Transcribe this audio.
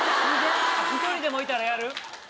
「１人でもいたらやる」？